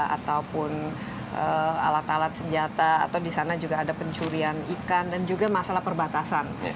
ataupun alat alat senjata atau di sana juga ada pencurian ikan dan juga masalah perbatasan